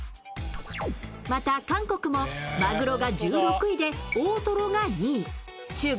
また、韓国もまぐろが１６位で、大とろが２位、中国